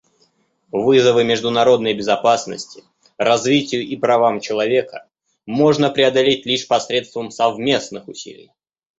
Вызовы международной безопасности, развитию и правам человека можно преодолеть лишь посредством совместных усилий.